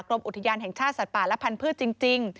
อุทยานแห่งชาติสัตว์ป่าและพันธุ์จริง